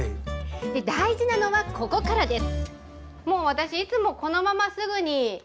大事なのはここからです。